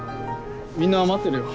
みんな待ってるよ。